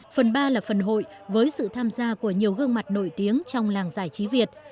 phần ba là phần hội với sự tham gia của nhiều gương mặt nổi tiếng trong làng giải trí việt